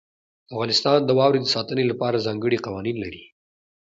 افغانستان د واورې د ساتنې لپاره ځانګړي قوانین لري.